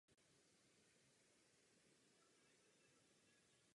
V posledním stádiu demence dochází až k úplné degradaci osobnosti.